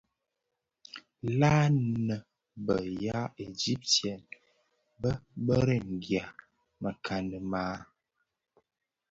La nnë bë ya Egypten bë rëňgya mekani maa?